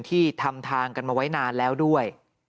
ที่ทำทางกันมาไว้นานแล้วด้วย